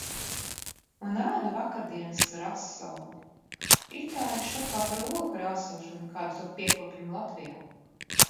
Un ēdu vakardienas rasolu. Itāļi šokā par olu krāsošanu, kādu to piekopjam Latvijā.